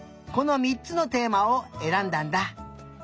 この３つのテーマをえらんだんだ。